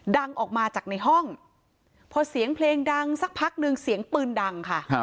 ดังออกมาจากในห้องพอเสียงเพลงดังสักพักหนึ่งเสียงปืนดังค่ะ